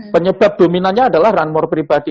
penyebab dominannya adalah run more pribadi